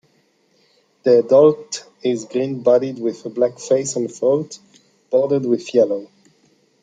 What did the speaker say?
The adult is green-bodied with a black face and throat bordered with yellow.